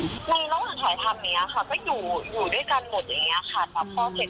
ในโลกถ่ายทำเนี้ยค่ะก็อยู่อยู่ด้วยกันหมดอย่างเงี้ยค่ะ